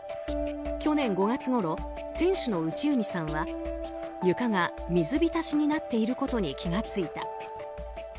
去年５月ごろ、店主の内海さんは床が水浸しになっていることに気が付いた。